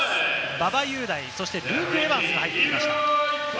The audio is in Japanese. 馬場雄大、ルーク・エヴァンスが入ってきました。